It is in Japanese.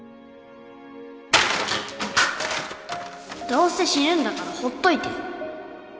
どうせ死ぬんだからほっといてよ